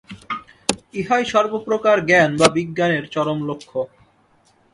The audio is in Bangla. ইহাই সর্ব প্রকার জ্ঞান বা বিজ্ঞানের চরম লক্ষ্য।